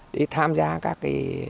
để tham gia các